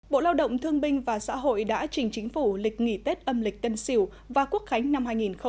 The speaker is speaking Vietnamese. bộ lao động thương binh và xã hội đã trình chính phủ lịch nghỉ tết âm lịch tân sửu và quốc khánh năm hai nghìn hai mươi một